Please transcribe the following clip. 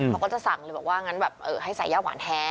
เขาก็จะสั่งเลยบอกว่างั้นแบบให้ใส่ย่าหวานแท้